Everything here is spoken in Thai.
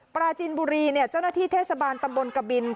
ปราจินบุรีเจ้าหน้าที่เทศบาลตำบลกบิน